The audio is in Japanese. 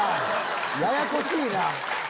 ややこしいな！